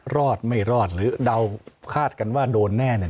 รอดไม่รอดหรือเดาคาดการณ์ว่าโดนแน่